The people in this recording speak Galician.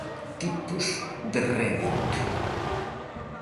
Tipos de rédito